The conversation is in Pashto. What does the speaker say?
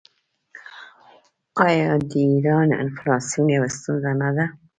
آیا د ایران انفلاسیون یوه ستونزه نه ده؟